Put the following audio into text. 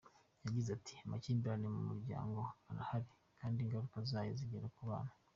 Yagize ati “Amakimbirane mu muryango arahari kandi ingaruka zayo zigera ku bana.